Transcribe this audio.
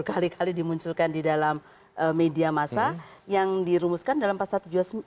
berkali kali dimunculkan di dalam media masa yang dirumuskan dalam pasal tujuh puluh sembilan